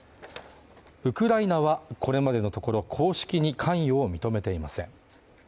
ウクライナはこれまでのところ公式に関与を認めていません。